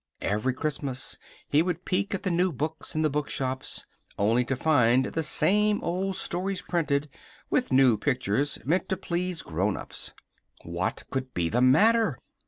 Every Christmas he would peek at the new books in the bookshops, only to find the same old stories printed, with new pictures, meant to please grown ups. What could be the matter?